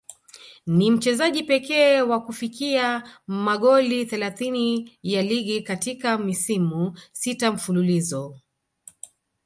Ni mchezaji pekee wa kufikia magoli thelathini ya ligi katika misimu sita mfululizo